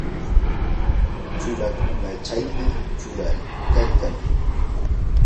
churakunachawmi churayaykan.